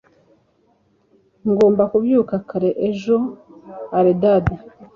Ngomba kubyuka kare ejo. (Eldad)